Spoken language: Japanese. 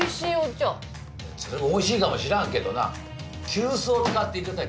それもおいしいかもしらんけどな急須を使っていれるんだよ